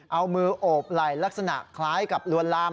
เอามือโอบไหล่ลักษณะคล้ายกับลวนลาม